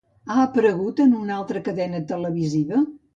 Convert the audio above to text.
Ha aparegut en una altra cadena televisiva?